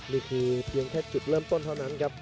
เพียงแค่จุดเริ่มต้นเท่านั้นครับ